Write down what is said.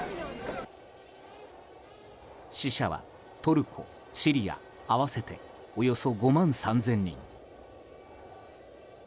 死者はトルコ、シリア合わせておよそ５万３０００人。